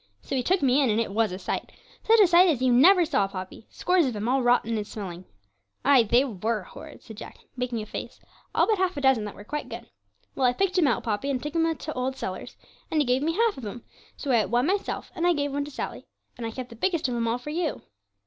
So he took me in, and it was a sight such a sight as you never saw, Poppy! Scores of 'em all rotten and smelling. Ay, they were horrid!' said Jack, making a face, 'all but half a dozen that were quite good. Well, I picked 'em out, Poppy, and took 'em to old Sellers, and he gave me half of 'em: so I ate one myself, and I gave one to Sally, and I kept the biggest of 'em all for you.'